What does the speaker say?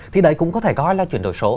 thì đấy cũng có thể gọi là chuyển đổi số